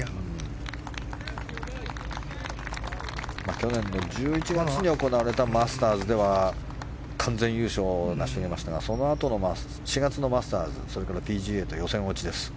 去年の１１月に行われたマスターズでは完全優勝を成し遂げましたがそのあとの４月のマスターズＰＧＡと予選落ちです。